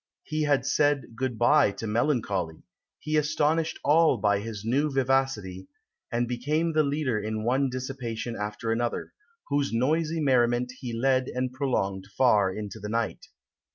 He had said "good bye" to melancholy; he astonished all by his new vivacity, and became the leader in one dissipation after another, "whose noisy merriment he led and prolonged far into the night."